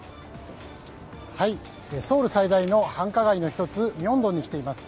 ソウル最大の繁華街の１つミョンドンに来ています。